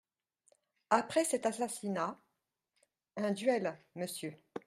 Après cet assassinat … Un duel, monsieur.